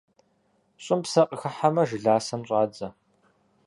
ЩӀым псэ къыхыхьэмэ, жыласэм щӀадзэ.